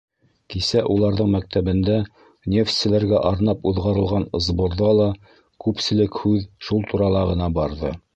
Кисә уларҙың мәктәбендә нефтселәргә арнап уҙғарылған сборҙа ла күпселек һүҙ шул турала ғына барҙы.